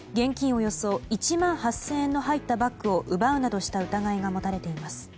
およそ１万８０００円の入ったバッグを奪うなどした疑いが持たれています。